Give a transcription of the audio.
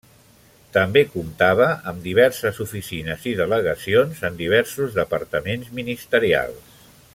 També comptava amb diverses oficines i delegacions en diversos departaments ministerials.